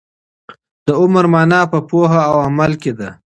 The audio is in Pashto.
د عمر مانا په پوهه او عمل کي ده.